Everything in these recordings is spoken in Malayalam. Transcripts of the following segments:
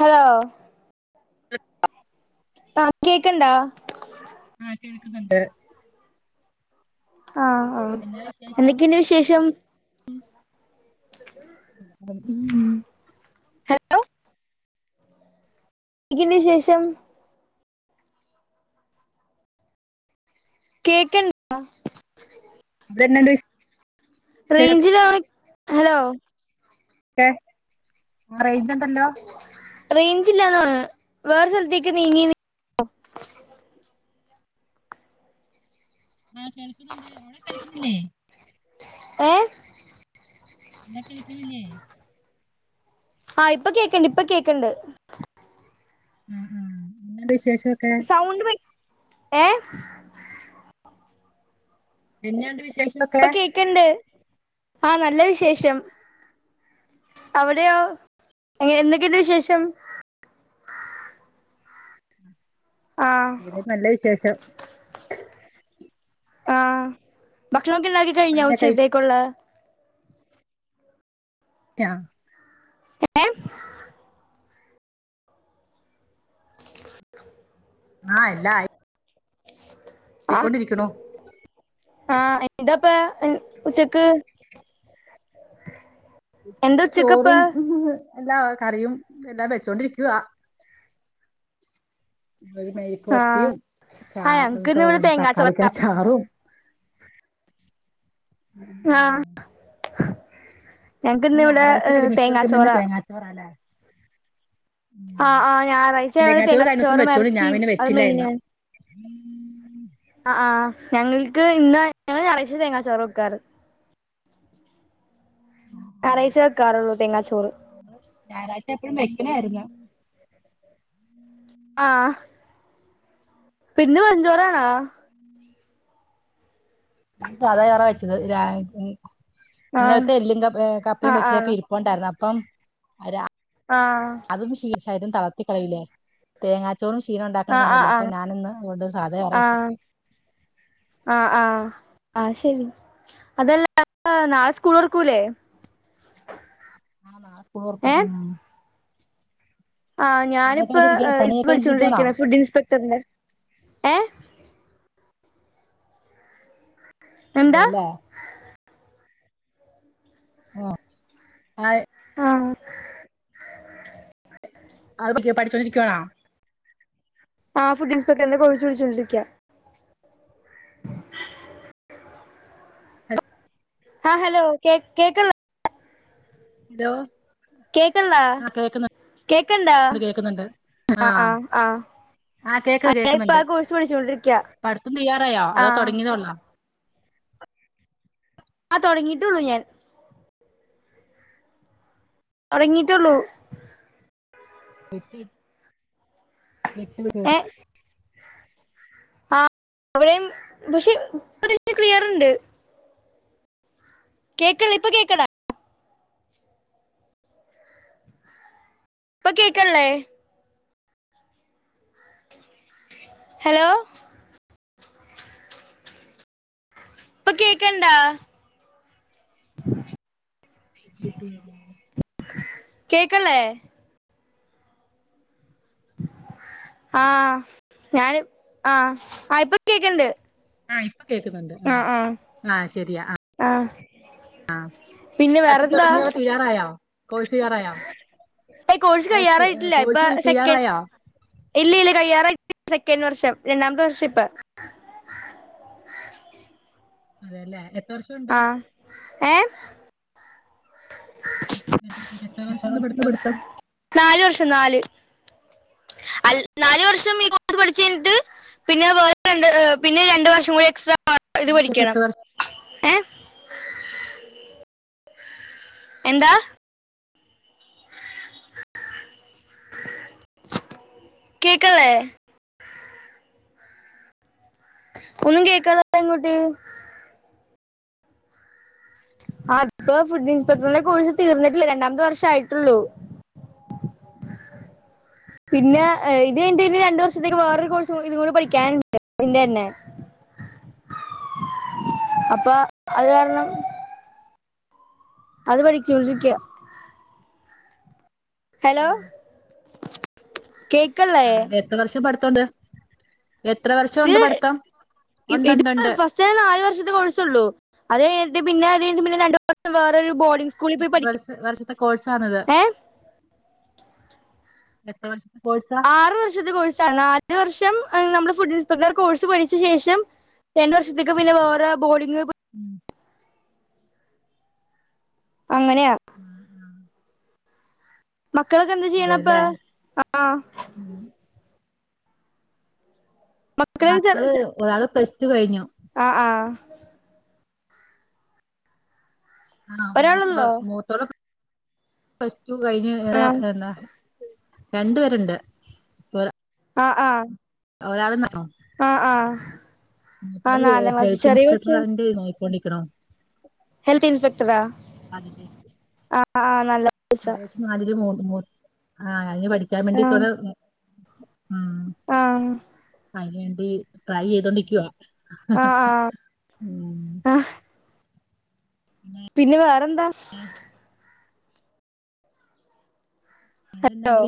ഹലേ [unintelligible] ആഹ് കേക്ക്ണ്ടേ ആഹ് കേൾക്കുന്നുണ്ട്. ആഹ് ആഹ് എന്നാ വിശേഷം എന്തൊക്കെയുണ്ട് വിശേഷം ഹലോ എന്തൊയുണ്ട് വിശേഷം കേക്കണ്ട് ആഹ് [unintelligible] വിശേഷൊക്കെ റേഞ്ചിലോ ഹലോ [unintelligible] റേയ്ഞ്ച്ണ്ട് റേഞ്ച് ഇല്ലാന്ന് തോന്നുന്നു വേറെ സ്ഥലത്തേക്ക് നീങ്ങീ ആഹ് കേൾക്കുന്നുണ്ട് അവിടെ കേൾക്കുന്നില്ലേ ഏഹ് [unintelligible] ആഹ് ഇപ്പൊ കേൾക്കണ്ട് ഇപ്പൊ കേക്കണ്ട് ആഹ് ആഹ് എന്തുണ്ട് വിശേഷം ഒക്കെ സൗണ്ട് പോയി ഏഹ് എന്നെയണ്ട് വിശേഷമൊക്കെ ഇൻക്ക്ണ്ട് ആഹ് നല്ല വിശേഷം അവിടെയോ എന്തൊക്കെയുണ്ട് വിശേഷം ആഹ് ഇവിടെ നല്ല വിശേഷം ആഹ് ഭക്ഷണമക്കെ ഉണ്ടാക്കി കഴിഞ്ഞോ പണിയൊക്കെ ഉച്ചത്തേക്കുള്ള [unintelligible] ഏഹ് ആഹ് എല്ലാം ആയി ആയിക്കൊണ്ടിരിക്കുണു ആഹ് എന്തപ്പാ ഉച്ചക്ക് എന്താ ഉച്ചക്ക് ഉച്ചക്കപ്പ ചോറും എല്ലാ കറിയും എല്ലാം വെച്ചോണ്ടിരിക്കുവാ ഒരു ആഹ് മെഴുക്കുവരട്ടിയും ചാ ആ ഞങ്ങക്കിന്ന് ഇവിടെ തക്കാളിക്കാ തേങ്ങാച്ചോറാ ചാറും [unintelligible] ആഹ് ഞങ്ങക്ക് ഇന്ന് ഇവിടെ തേങ്ങാ ചോറാ ചോറാല്ലേ ആഹ് ആഹ് ഞായറാഴ്ച ആയോണ്ട് തേങ്ങാച്ചോറ് കഴിഞ്ഞോസം തേങ്ങാച്ചോറും വെച്ചോണ്ട് ഞാൻ എറച്ചിയും പിന്നെ അത് വെച്ചില്ലായിരുന്നു. മെയിനാണ് ഉം ആഹ് ആഹ് ഞങ്ങൾക്ക് ഇന്ന് ഞങ്ങള് ഞായറാഴചയ തേങ്ങാച്ചോറ് വെക്കാറ്. ഞായറാഴ്ചെ വെക്കാറുള്ളു തെങ്ങാച്ചോറ്. ഞായറാഴ്ച എപ്പഴും വെക്കണായിരുന്നു. ആഹ് ഇന്ന് വെറുഞ്ചോറാണാ? സാധാചോറാ വെച്ചത് രാവിലെ. ആഹ് ഇന്നലത്തെ എല്ലും കപ് കപ്പയും ആഹ് ആഹ് വെച്ചൊക്കെ ഇരിപ്പു ണ്ടായിരുന്നു. അപ്പം രാ ആഹ് അതും ശീ ശരീരം തളർത്തി കളയൂലെ. തേങ്ങാ ചോറും ക്ഷീണൊണ്ടാക്കുന്ന ആഹ് ആഹ് ആഹ് സാധനല്ലേ. അപ്പ ആഹ് ഞാനിന്ന് അതോണ്ട് സാധ ചോറാ വെച്ചേ. ആഹ് ആഹ് ആഹ്, അത്ശരി. അതല്ല നാളെ സ്കൂളൊർക്കൂലേ? ആഹ് നാളെ സ്കൂളൊർക്കും. ഏഹ് ആഹ്, പണിയൊക്കെ ഞാനിപ്പ കഴിഞ്ഞിരിക്കണോ ഇത് പണിയൊക്കെ കഴിഞ്ഞിരിക്കണോ പഠിച്ചോണ്ടിരിക്കണെ ഫുഡ് ഇൻസ്പെക്ടറിന്റെ. ഏഹ്? എന്താ അതെല്ലേ ഓഹ് ആഹ് ആഹ് അത് പറ്റോ പഠിച്ചൊണ്ടിരിക്കുവാണാ? ആഹ്, ഫുഡ് ഇൻസ്പെക്ടറിന്റെ കോഴ്സ് പഠിച്ചോണ്ടിരിക്ക. ആഹ് ഹലോ കേ കേക്കള്ളെ? ഹലോ കേക്കള്ളേ, ആ കേൾക്കുന്നുണ്ട് കേക്കണ്ടാ? കേൾക്കുന്നുണ്ട് ആ ആഹ് ആഹ് ആഹ് ആ കേക്ക് ആഹ് ഞാനിപ്പെ കേൾക്കുന്നുണ്ട് ആ കോഴ്സ് പഠിച്ചോണ്ടിരിക്ക. പഠിത്തം തയ്യാറായോ അതോ ആഹ് തുടങ്ങിയതേ ഉള്ളോ ആഹ് തൊടങ്ങിട്ടൊള്ളൂ ഞാൻ. തൊടങ്ങീട്ടൊള്ളൂ [unintelligible] ഏഹ് ആഹ് അവിടെയും പക്ഷെ ഇപ്പവിടെ ക്ലിയറ്ണ്ട്. കേക്കള്ളെ ഇപ്പ കേക്കള്ളെ? ഇപ്പ കേക്കള്ളേ? ഹലോ ഇപ്പ കേക്കണ്ടാ? റേഞ്ച് കിട്ടുന്നില്ല കേക്കള്ളെ? ആഹ് ഞാന് ആഹ് ആഹ് ഇപ്പ കേക്കണ്ട്. ആഹ് ഇപ്പ കേക്ക്ന്ന്ണ്ട്. ആഹ് ആഹ് ആഹ് ശരിയാ ആഹ് ആഹ് പിന്നെ ആദ്യം വേറെന്താ തൊടങ്ങിയോ അതോ തീരാറായോ കോഴ്സ് തീരാറായോ? കോഴ്സ് അല്ല സ്‌കൂ കഴിയാറായിട്ടില്ല ഇപ്പൊ കോഴ്സ് സെക്കൻഡ് തീരാറായാ? ഇല്ല ഇല്ല കഴിയാറായിട്ടില്ല. സെക്കൻഡ് വർഷം രണ്ടാമത്തെ വർഷാ ഇപ്പെ. അതേല്ലെ എ ആഹ് ഏഹ്? എത്ര എത്ര- എത്ര വർഷമുണ്ട് വർഷൊണ്ട് പഠിത്തം? നാല് വർഷം നാല്. അൽ നാല് വർഷം ഈ കോഴ്സ് പഠിച്ചു കഴിഞ്ഞിട്ട് പിന്നെ വേറെ രണ്ട് പിന്നെ രണ്ട് വർഷം കൂടി എക്സ്ട്രാ ഇത് ഈ കോഴ്സ് പഠിക്കണം. എത്ര വർഷം ഏ എന്താ. കേക്കണില്ലേ. ഒന്നും കേക്കണിലല്ലോ ഇങ്ങോട്ട്. ആ പ്പൊ ഫുഡ് ഇൻസ്പെക്ടറിന്റെ കോഴ്സ് തീർന്നിട്ടില്ല രണ്ടാമത്തെ വർഷം ആയിട്ടുള്ളു. പിന്ന ഇത് കഴിഞ്ഞിട്ട് ഇനി രണ്ട് വർഷത്തേക്ക് വേറൊരു കോഴ്സ് ഇതൂടി പഠിക്കാനുണ്ട് ഇതിന്റെ തന്നെ. അപ്പൊ അത് കാരണം. അത് പഠിച്ചോണ്ടിരിക്ക. ഹലോ ആ കേക്കല്. അതെ എത്ര വർഷം പഠത്തോണ്ട് എത്ര വർഷം ഒണ്ട് ഇത് പഠിത്തം. ഇത് ഒണ്ട്ണ്ട് ഉണ്ട്. ഫസ്റ്റ് നാല് വർഷത്തെ കോഴ്സ് ഉള്ളൂ അത് കഴിഞ്ഞിട്ട് പിന്നെ അത് കഴിഞ്ഞിട്ട് പിന്നെ രണ്ട് വർഷം വേറൊരു ബോഡിംങ് സ് ഈ വർ വർഷത്തെ കോഴ്സാണിത്. ഏ എത്ര വർഷത്തെ കോഴ്സ? ആറ് വർഷത്തെ കോഴ്സാണ് നാലു വർഷം നമ്മുടെ ഫുഡ് ഇൻസ്പെക്ടർ കോഴ്സ് പഠിച്ച ശേഷം. രണ്ട് വർഷത്തേക്ക് പിന്നെ വേറെ ബോഡിംങ്. ഉം. അങ്ങനെയാ. ഉം, ഉം. മക്കളൊക്കെ എന്ത് ചെയ്യണുപ്പ അതെല്ലേ ആ. ഉം. മക്കളൊക്കെ മക്കള് ഒരാള് പ്ലസ് ടു കഴിഞ്ഞു. ആഹ്, ആഹ്. ആഹ് മൂത്തൊ, ഒരാളള്ളോ മൂത്തൊള്. പ്ലസ് ടു കഴിഞ്ഞു എന്താ ആ രണ്ട്, രണ്ടു പേരുണ്ട്. ഒ ആഹ്, ആഹ്. ഒരാള് ന്നാണോ. ആഹ്, ആഹ്. ഉം ഇങ്ങള് ഹെൽത്ത് ഇൻസ്പെക്ടർ ആണ്ട് നോയിക്കോണ്ടിരിക്കണോ. ഹെൽത്ത് ഇൻസ്പെക്ടറ ആഹ്, ആ നല്ല കോഴ്സ. മാതിരി മൂ ആ അതിന് പഠിക്കാൻ ആഹ് വേണ്ടിട്ടവടെ ഉം. ആഹ്. അയിനുവേണ്ടി ട്രൈ ചെയ്തോണ്ടിരിക്കുവ. ആഹ്, ആ അഹ്. [unintelligible] പിന്നെ വേറെന്താ? ഉ [inaudible] ഹലോ വേറെന്താണ്ട്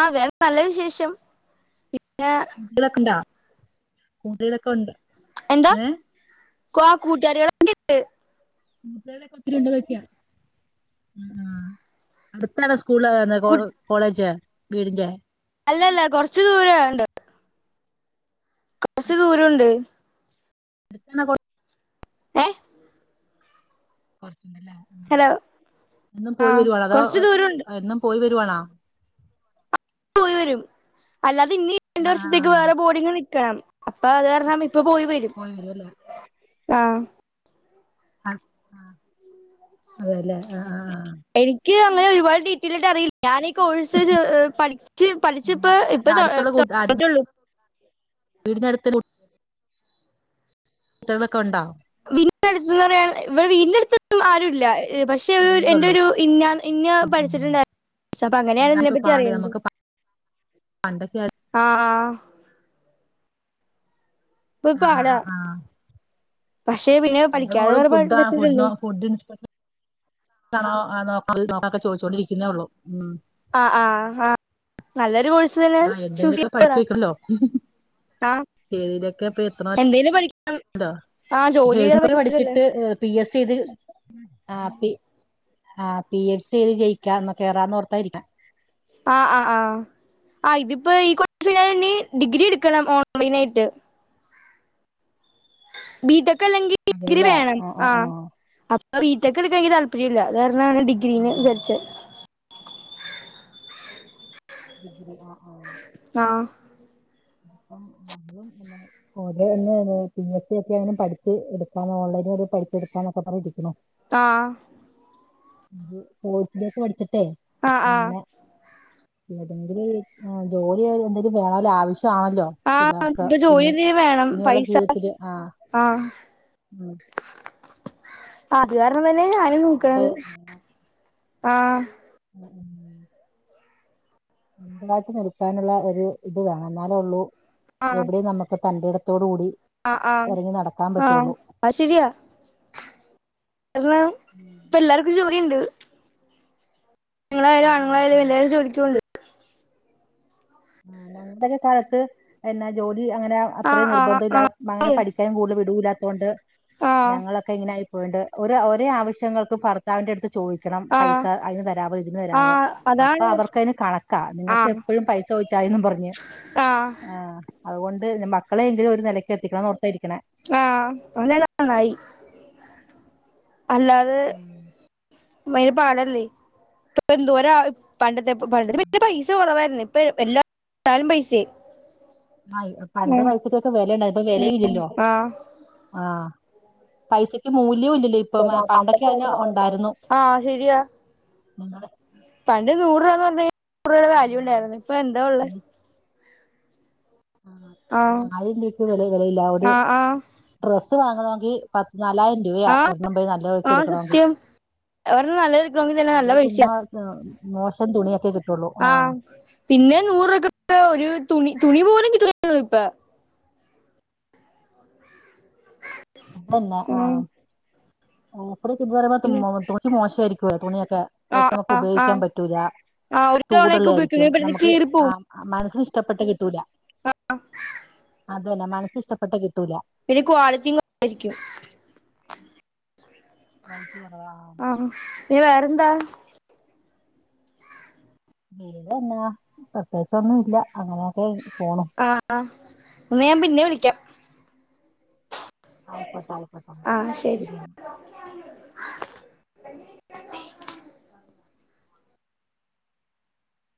ആഹ് വേറെ നല്ല വിശേഷം. പിന്നെ. കൂന്തളെക്കെണ്ട കൂന്തൊളക്കെ ഉണ്ട്. എന്താ ഏഹ് കൊ കൂട്ടാരിയള്. മുടെ ഒത്തിരി ഉണ്ടോ നോക്കിയ ആഹ് അടുത്താണോ സ് സ്കൂളല്ല കു കോളെ, കോളേജ് വീടിന്റെ. അല്ലല്ല കൊറച്ച് ദൂരം ഒണ്ട്. കുറച്ച് ദൂരംഉണ്ട്. [unintelligible] ഏഹ്. കൊറച്ചുണ്ടല്ലേ ആഹ് ഹലോ എന്നും പോയി ആഹ് വരുവാ ണോ അതോ കൊറച്ച് ദൂരണ്ട് എന്നും പോയി വരുവാണ. പോയി വരും അല്ലാതെ ഇന്നി രണ്ട് ആഹ് വർഷത്തേക്ക് ആഹ് വേറെ ബോർഡിങ് നിക്കണം അപ്പൊ അത് കാരണം ഇപ്പൊ പോയി വരും ആഹ് ആ അതല്ലേ ആ ആ എനിക്ക് അങ്ങനെ ഒരുപാട് ഡീറ്റെയിലയി്ട്ട്അറിയില്ല ഞാനീ കോഴ്‌സ് പഠിച്ച് പഠിച്ച്ഇപ്പ പിന്നെ അടുത്തുള്ള കൂ തൊടങ്ങീട്ടുള്ളൂ വീടിനടുത്ത് കുട്ട്യോളൊക്കെണ്ടോ വീടിനടു ത്ത്ന്ന് പറയാണ് ഇവിടെ വീടിനടുത്ത് ആരും ഇല്ല പക്ഷെ എന്റെറെ തുടങ്ങിയതേയുള്ളൂ ഒരു ഇന്ന ഇന്ന പഠിച്ചിട്ടുണ്ടായിരുന്നു ക്ഷെ അപ്പൊ അങ്ങനെയാണ് അതാണ് ഇതിനെ ഇപ്പൊ പറ്റി പാട് അറിയ്ണത് നമുക്ക് പ- പണ്ടൊക്കെ ആഹ് ആഹ് ഇപ്പ പാടാ പക്ഷെ പിന്നെ ഇൻ്റെ പഠിക്കാതെ മോള് വേറെ ഫുഡാ പറ്റൂലല്ലോ [unintelligible] ണോ അ നോക്ക് നോക്കൊക്കെ ചോദിച്ചോണ്ടിരിക്കുന്നേ ഉള്ളൂ ഉം ആ ആ ആ നല്ലൊരു കോഴ്സ് ആ എന്തെങ്കിലുമൊക്കെ സുനൽ [unintelligible] ആഹ് ഏഴുതൊക്കെ പ്രി എത്തു നോൽണ്ടോ ആ ജോലി ചെയ്യാൻ [unintelligible] പറ്റൂലല്ലോ പഠിച്ചിട്ട് പി എസ് സി ഇത് ആ പി ആ് പി എസ് സി എഴുതി ജയിക്കാം എന്ന കേറാന്ന് ഓർത്തായിരിക്കാം ആ ആ ആഹ് ആ ഇതിപ്പോ ഈ കോഴ്സ് കഴിഞ്ഞ് ഇനി ഡിഗ്രി എടുക്കണം ഓൺലൈൻ ആയിട്ട്. ബിടെക് അല്ലെങ്കിൽ ഡഗ്രി വേണം. ആ അപ്പൊ ബി ടെക്ക് എടുക്കാൻ എനിക്ക് താല്പര്യം ഇല്ല അത് കാരണാണ് ഡിഗ്രീന് വിചാരിച്ചത്. ഡിഗ്രി ആ ആ ആഹ് അപ്പോ അവളും അങ്ങനെ ഓലൊന്ന് പി എസ് സി ഒക്കെ അങ്ങനെ പഠിച്ച് എടുക്കാന്ന് ഓൺലൈൽ പഠിച്ച് എടുക്കാന്നൊക്കെ പറഞ്ഞ് ഇരിക്കുന്നു. ആഹ് കോഴസിലേക്ക് പഠിച്ചിട്ട് ആഹ് ആഹ് അങ്ങനെ എതെങ്കിലും ജോലി എന്തിലും വേണല്ലോ ആവശ്യാണല്ലോ? ആ ഇപ്പൊ ജോലി എന്തെലും വേണം പൈസ ആ ഉം. അത് കാരണം തന്നെ ഞാനും അതുകൊണ്ട് നോക്കണത്. അങ്ങനെ ആ [unintelligible] സ്വന്തായിട്ട് നിൽക്കാനുള്ള ഒരു ഇത് വേണം. എന്നാലേ ഉള്ളൂ എവിടെയും നമുക്ക് തന്റേട തോടുകൂടി ആ ആഹ് ആഹ് അത് ശരിയാ കാരണം ഉം, ഇപ്പം എല്ലാർക്കും ജോലിണ്ട്. പെണ്ണുങ്ങളായാലും അതന്നെ ആ. ആണുങ്ങളായാലും എല്ലാരും ജോലിക്ക് പോണ്ട് ആ ഞങ്ങടെ ഒക്കെ കാലത്ത് എന്നാ ജോലി അങ്ങനെ ആഹ് അത്രയും ആഹ് നിർബന്ധം ഇല്ല അങ്ങനെ ആഹ് പഠിക്കാൻ കൂടുതൽ വിടു ഇല്ലാത്തുകൊണ്ട് ആഹ് ഞങ്ങള് ക്കെ ഇങ്ങനായി പോയിണ്ട് ഓരേ ഒരേ ആവശ്യങ്ങൾക്കും ഭർത്താവിന്റെ അടുത്ത് ചോദിക്കണം. പൈസ ആഹ് അതിന് തരാവോ ഇതിന് തരവോ ആഹ് അതാണ് അപ്പൊ പ്രശ്നം അവർക്കതിന് കണക്കാ നിങ്ങൾക്ക് ആഹ് എപ്പോഴും പൈസ ചോദിച്ചായി പറഞ്ഞു ആഹ് ആ അതുകൊണ്ട് മക്കളെങ്കിലും ഒരു നിലക്ക് എത്തിക്കണം എന്ന്ഓർത്തായിരിക്കണേ. ആഹ് അവന് നല്ല നന്നായി അല്ലാതെ ഉം പയങ്കരപാടല്ലേ എന്തോര പണ്ടത്തെ പണ്ടത്തെ പിന്നെ പൈസ കുറവായിരുന്നേ ഇപ്പ എല്ലാം പൈസയായി ആ പണ്ട് ഉം പൈസക്കൊക്കെ വിലയുണ്ടായി ഇപ്പൊ വില ഇല്ലല്ലോ പിന്നെ ആഹ് പൈസക്ക് മൂല്യം ഇല്ലല്ലോ ഇപ്പം ആ, ആഹ് പണ്ടൊക്കെ അതിന് ഉണ്ടായിരുന്നു ആ ശെരിയാ ഞങ്ങടെ പണ്ട് നൂറ് രൂപാന്ന് പറഞ്ഞ നൂറ് രൂപയുടെ വാല്യൂ ഉണ്ടായിരുന്നു ഇപ്പൊ എന്താ ഉള്ളത് ആഹ് ഉം ആയിരം രൂപയ്ക്ക് വിലയില്ല ഒരു ആഹ് ആഹ് ഡ്രസ്സ് വാങ്ങണമെങ്കിൽ പത്ത് നാലായിരം രൂപയാ ആഹ് ഒരെണ്ണം പോയി നല്ല നോക്കി ആഹ് എടുക്കണമെങ്കി സത്യം ഒരെണ്ണം നല്ലത് എടുക്കണമെങ്കിൽ തന്നെ അത് നല്ല പിന്നെ പൈസയാ ഉം മോശം തുണിയക്കെ കി ആഹ് പിന്നെ നൂറു രൂപകൊക്കെ ഒരു തുണി തുണി പോലും കിട്ടില്ലലോ ഇപ്പം അത് തന്നെ ആഹ് ഓഫറിൽ കിട്ടു എന്ന് പിന്നെ പറയുമ്പോ തുണി മോശായിരിക്കു തുണിയൊക്കെ ആഹ് [unintelligible] ആഹ് ഉപയോഗിക്കാൻ ആഹ് പറ്റൂല ആഹ് ഒരു ചൂടുള്ള തവണയൊക്കെ ആയിരിക്കും ഉപയോഗിക്കുന്നെ പെട്ടെന്ന് നമുക്ക് കീറി പോവും ആഹ് ആ മനസ്സിന് ഇഷ്ടപ്പെട്ട കിട്ടൂല ആഹ് അതുതന്നെ മനസിന് ഇഷ്ടപ്പെട്ട കിട്ടൂല പിന്നെ ക്വാളിറ്റിയും കുറവായിരിക്കും ക്വാളിറ്റി കുറവാ ആഹ് പിന്നെ വേറെന്താ വേറെ എന്ന പ്രത്യേകിച്ച് ഒന്നും ഇല്ല അങ്ങനെയൊക്കെ പോണു ആഹ്‌ഹാ എന്ന ഞാൻ പിന്നെ വിളിക്കാം ആയിക്കോട്ടെ ആയിക്കോടട്ടെ ആഹ് ശരി ശെരി എന്നാ